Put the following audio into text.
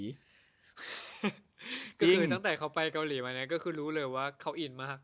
คือตั้งแต่เขาไปเกาหลีมาเนี่ยก็คือรู้เลยว่าเขาอินมาก